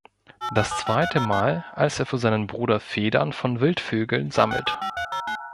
Das zweite Mal, als er für seinen Bruder Federn von Wildvögeln sammelt.